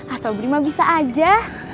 aswabri mah bisa aja